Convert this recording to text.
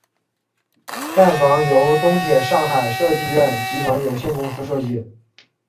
站房由中铁上海设计院集团有限公司设计。